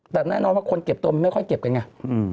แต่แน่นอนว่าคนเก็บตัวมันไม่ค่อยเก็บกันไง